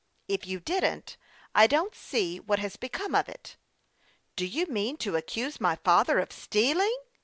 If you didn't, I don't see what has become of it." " Do you mean to accuse my father of stealing ?